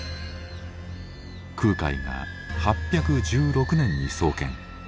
空海が８１６年に創建。